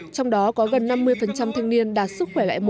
trong đó có gần năm mươi thanh niên đạt sức khỏe loại một